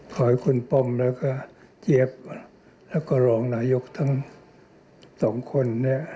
ขอให้คุณป้อมและเจี๊ยบและก็รองนายกทั้ง๒คน